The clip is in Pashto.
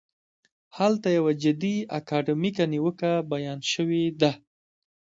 هلته یوه جدي اکاډمیکه نیوکه بیان شوې ده.